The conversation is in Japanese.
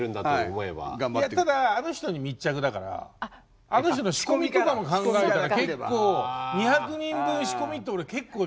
いやただあの人に密着だからあの人の仕込みとかも考えたら結構２００人分仕込みって俺結構時間かかると思うんですよね。